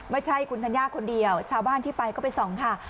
ไม่ใช่คุณธัญญาคนเดียวชาวบ้านที่ไปก็ไปส่องค่ะ